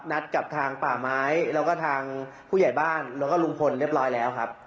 นัดกับทางป่าไม้แล้วก็ทางผู้ใหญ่บ้านแล้วก็ลุงพลเรียบร้อยแล้วครับ